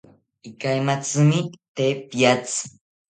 Ikaimaitzimi te piatzi